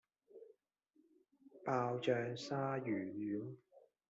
爆醬鯊魚丸